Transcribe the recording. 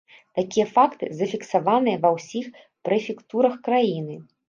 Такія факты зафіксаваныя ва ўсіх прэфектурах краіны.